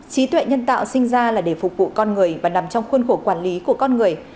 trí tuệ nhân tạo sinh ra là để phục vụ con người và nằm trong khuôn khổ quản lý của con người